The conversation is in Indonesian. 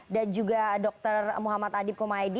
dan juga dokter muhammad adib kumaedi